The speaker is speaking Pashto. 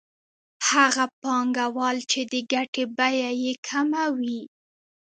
هغه پانګوال چې د ګټې بیه یې کمه وي